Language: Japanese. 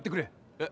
えっ？